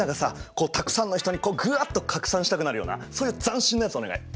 こうたくさんの人にグワッと拡散したくなるようなそういう斬新なやつお願い！